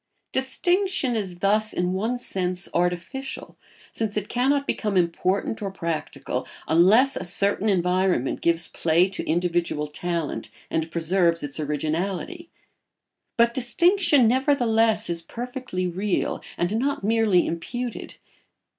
] Distinction is thus in one sense artificial, since it cannot become important or practical unless a certain environment gives play to individual talent and preserves its originality; but distinction nevertheless is perfectly real, and not merely imputed.